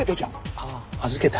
ああ預けた。